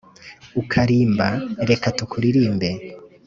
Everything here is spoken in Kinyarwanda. ukarimba reka tukuririmbe